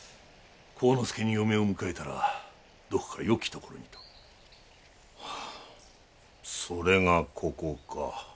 晃之助に嫁を迎えたらどこかよき所にと。はあそれがここか。